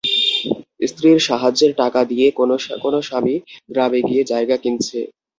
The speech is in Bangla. স্ত্রীর সাহায্যের টাকা দিয়ে কোনো কোনো স্বামী গ্রামে গিয়ে জায়গা কিনছে।